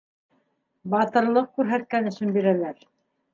Батырлыҡ күрһәткән өсөн бирәләр.